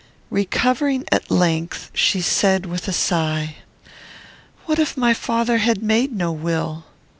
Recovering, at length, she said, with a sigh, "What if my father had made no will?"